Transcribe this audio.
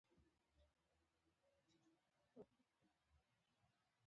د افغانستان د شاته پاتې والي یو ستر عامل اقتصادي ستونزې دي.